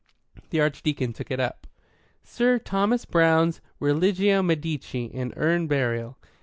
The Archdeacon took it up. "Sir Thomas Browne's Religio Medici and Urn Burial.